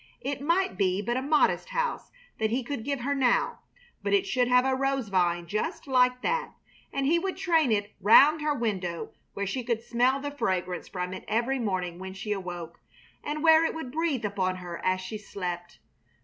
It might be but a modest house that he could give her now, but it should have a rose vine just like that; and he would train it round her window where she could smell the fragrance from it every morning when she awoke, and where it would breathe upon her as she slept.